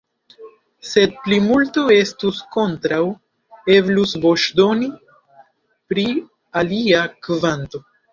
Se plimulto estus kontraŭ, eblus voĉdoni pri alia kvanto.